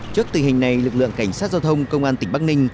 trước tình hình này lực lượng cảnh sát giao thông công an tỉnh bắc ninh